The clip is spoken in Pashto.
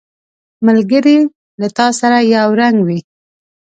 ملګری له تا سره یو رنګ وي